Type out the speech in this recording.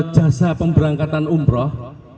jasa pemberangkatan umroh